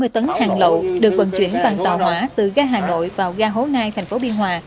hai mươi tấn hàng lậu được vận chuyển bằng tàu hỏa từ ga hà nội vào ga hố nai thành phố biên hòa